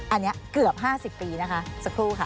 อันนี้เกือบ๕๐ปีนะคะสักครู่ค่ะ